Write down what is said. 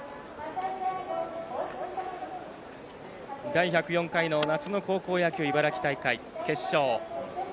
第１０４回の夏の高校野球、茨城大会決勝。